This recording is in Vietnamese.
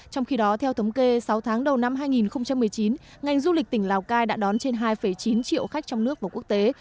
trong khi đó theo thống kê sáu tháng đầu năm hai nghìn một mươi chín ngành du lịch tỉnh lào cai đã đón trên hai chín triệu khách trong nước và quốc tế